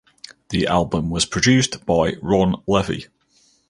The album was produced by Ron Levy.